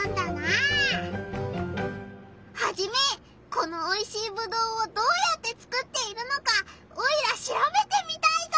このおいしいぶどうをどうやってつくっているのかオイラしらべてみたいぞ！